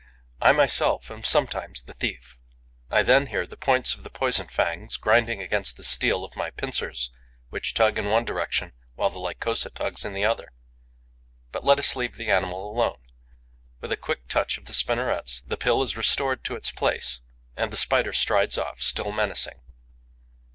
I myself am sometimes the thief. I then hear the points of the poison fangs grinding against the steel of my pincers, which tug in one direction while the Lycosa tugs in the other. But let us leave the animal alone: with a quick touch of the spinnerets, the pill is restored to its place; and the Spider strides off, still menacing.